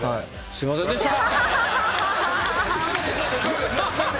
すいませんでした。